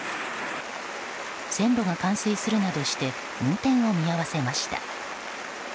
線路が冠水するなどして運転を見合わせました。